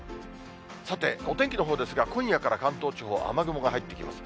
さて、お天気のほうですが、今夜から関東地方、雨雲が入ってきます。